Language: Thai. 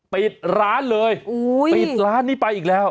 ปิดร้านเลยปิดร้านนี้ไปอีกแล้ว